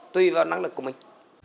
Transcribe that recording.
tùy vào năng lực của mình